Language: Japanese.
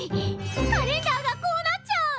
カレンダーがこうなっちゃう！